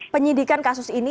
penyidikan kasus ini